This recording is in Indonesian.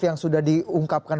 yang sudah diungkapkan